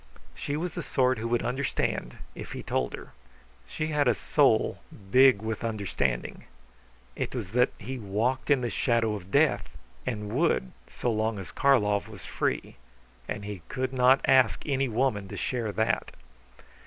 She was the sort who would understand, if he told her. She had a soul big with understanding. It was that he walked in the shadow of death, and would so long as Karlov was free; and he could not ask any woman to share that.